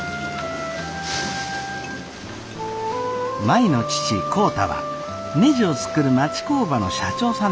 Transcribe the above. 舞の父浩太はねじを作る町工場の社長さんです。